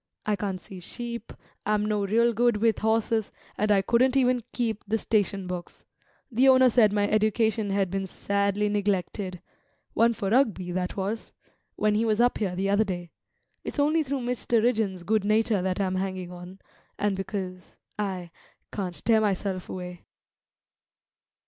I can't see sheep, I'm no real good with horses, and I couldn't even keep the station books; the owner said my education had been sadly neglected (one for Rugby, that was!) when he was up here the other day. It's only through Mr. Rigden's good nature that I'm hanging on, and because I can't tear myself away."